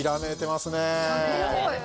すごい！